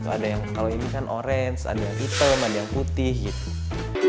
ada yang kalau ini kan orange ada yang hitam ada yang putih gitu